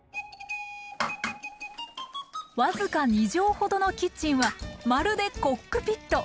僅か２畳ほどのキッチンはまるでコックピット！